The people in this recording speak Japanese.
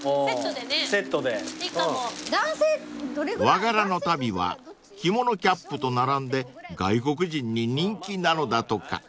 ［和柄の足袋はキモノキャップと並んで外国人に人気なのだとか］